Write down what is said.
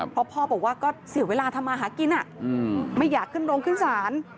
เพราะพ่อบอกว่าก็เสียเวลาทำมาหากินไม่อยากขึ้นโรงขึ้นศาล